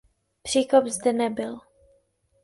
Příkop zde nebyl.